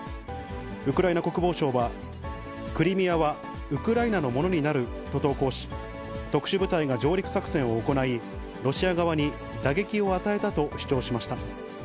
ウクライナ国防省は、クリミアは、ウクライナのものになると投稿し、特殊部隊が上陸作戦を行い、ロシア側に打撃を与えたと主張しました。